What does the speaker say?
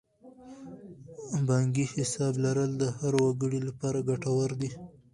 بانکي حساب لرل د هر وګړي لپاره ګټور دی.